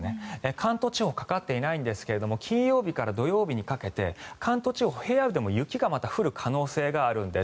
関東地方かかっていないんですが金曜日から土曜日にかけて関東地方、平野部でも雪がまた降る可能性があるんです。